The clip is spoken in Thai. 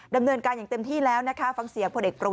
ดำเนินการอย่างเต็มที่แล้วนะคะฟังเสียพบชนค่ะ